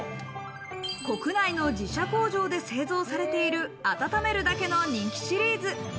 国内の自社工場で製造されている温めるだけの人気シリーズ。